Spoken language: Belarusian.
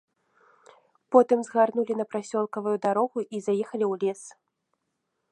Потым згарнулі на прасёлкавую дарогу і заехалі ў лес.